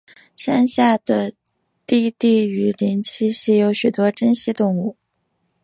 山下的低地雨林栖息有许多珍稀动物。